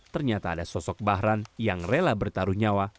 ternyata ada sosok bahran yang rela bertaruh nyawa